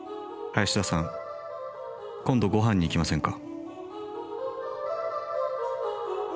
林田さん今度ごはんに行きませんか？